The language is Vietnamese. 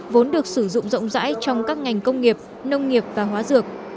vốn được sử dụng rộng rãi trong các ngành công nghiệp nông nghiệp và hóa dược